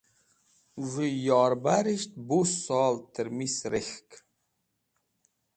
Z̃hũ yorbarisht bo sol tẽrmis rek̃hk.